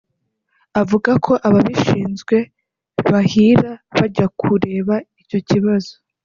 avuga ko ababishinzwe bahira bajya kureba icyo kibazo